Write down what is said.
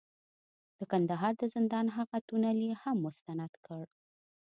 د کندهار د زندان هغه تونل یې هم مستند کړ،